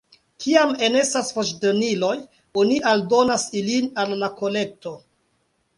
Kiam enestas voĉdoniloj, oni aldonas ilin al la kolekto.